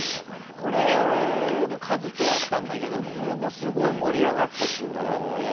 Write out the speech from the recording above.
これ、カズとやったんだけどこれもすごい盛り上がった記憶があって。